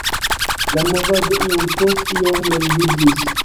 La movado iom post iom reviviĝis.